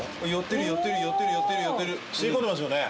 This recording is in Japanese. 吸い込んでますよね。